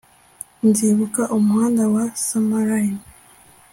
nzibuka umuhanda wa summerlin